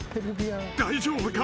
［大丈夫か？